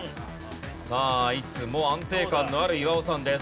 さあいつも安定感のある岩尾さんです。